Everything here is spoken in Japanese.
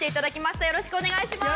よろしくお願いします。